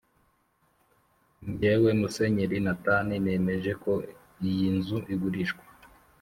njyewe Musenyeri Nathan nemeje ko iyinzu igurishwa